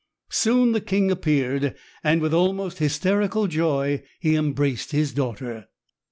Soon the king appeared, and with almost hysterical joy he embraced his daughter.